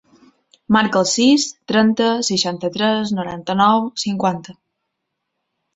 Marca el sis, trenta, seixanta-tres, noranta-nou, cinquanta.